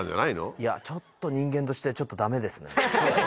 いやちょっと人間としてちょっとダメですね。